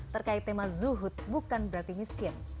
terkait tema zuhud bukan berarti miskin